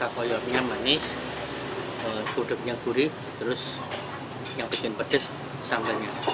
rasa koyornya manis gudegnya gurih terus yang kecil pedas sambalnya